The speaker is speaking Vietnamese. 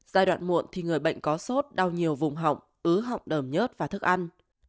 giai đoạn muộn thì người bệnh có sốt đau nhiều vùng họng ứ họng đờm nhớt và thức ăn